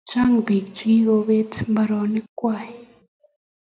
Many people lost their land.